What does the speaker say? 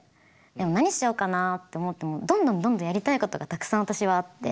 でも何しようかなって思ってもどんどんどんどんやりたいことがたくさん私はあって。